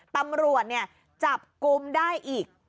ตำรวจจับกลุ่มได้อีก